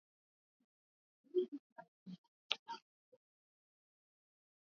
ya abiria wa daladala kutozingatia agizo la kuvaa barakoa wanapokuwa safarini limechangiwa kwa kiasi